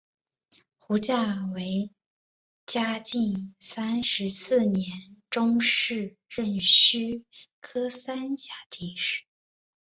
胡价为嘉靖三十四年中式壬戌科三甲进士。